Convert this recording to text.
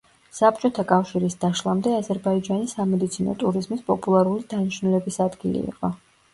საბჭოთა კავშირის დაშლამდე აზერბაიჯანი სამედიცინო ტურიზმის პოპულარული დანიშნულების ადგილი იყო.